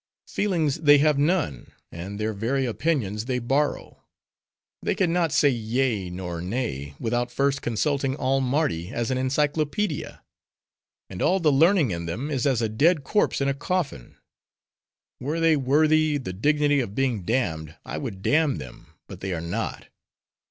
Feelings they have none: and their very opinions they borrow. They can not say yea, nor nay, without first consulting all Mardi as an Encyclopedia. And all the learning in them, is as a dead corpse in a coffin. Were they worthy the dignity of being damned, I would damn them; but they are not.